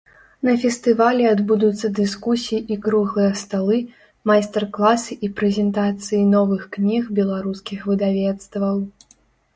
На фестывалі адбудуцца дыскусіі і круглыя сталы, майстар-класы і прэзентацыі новых кніг беларускіх выдавецтваў.